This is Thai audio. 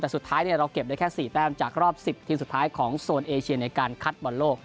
แต่สุดท้ายเราเก็บได้แค่๔แต้มจากรอบ๑๐ทีมสุดท้ายของโซนเอเชียในการคัดบอลโลก